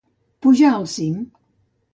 Pujar al cim.